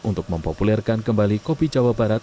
untuk mempopulerkan kembali kopi jawa barat